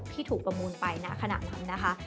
ที่ถูกประมูลไปณขณะนั้นนะคะ